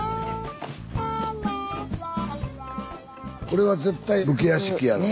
これは絶対武家屋敷やろ。